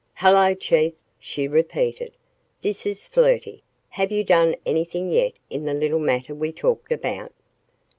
"Hello, Chief," she repeated. "This is Flirty. Have you done anything yet in the little matter we talked about?"